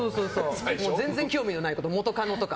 全然興味のないこととか元カノとか。